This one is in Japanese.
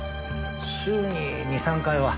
週に２３回は。